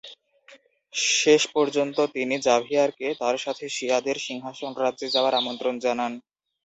শেষ পর্যন্ত তিনি জাভিয়ারকে তার সাথে শিয়াদের সিংহাসন-রাজ্যে যাওয়ার আমন্ত্রণ জানান।